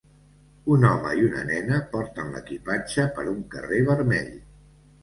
Un home i una nena porten l'equipatge per un carrer vermell.